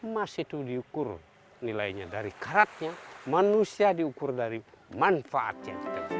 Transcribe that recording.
emas itu diukur nilainya dari karatnya manusia diukur dari manfaatnya